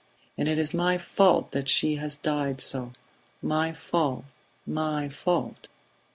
And it is my fault that she has died so ... My fault ... My fault."